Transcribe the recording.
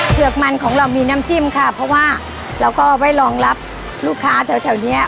เผือกมันของเรามีน้ำจิ้มค่ะเพราะว่าเราก็ไว้รองรับลูกค้าแถวแถวเนี้ย